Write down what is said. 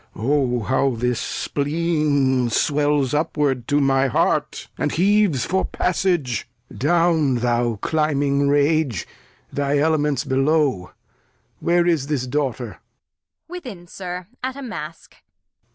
Oh! how this Spleen swells upward to my Heart, And heaves for Passage. Down climbing Rage ; Thy Element's below ; where is this Daughter